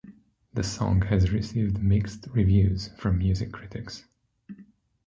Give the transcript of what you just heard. The song has received mix reviews from music critics.